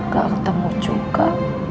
gak ketemu juga